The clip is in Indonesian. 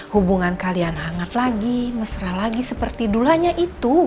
hubungan kalian hangat lagi mesra lagi seperti dulanya itu